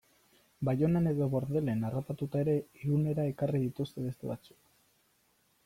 Baionan edo Bordelen harrapatuta ere Irunera ekarri dituzte beste batzuk...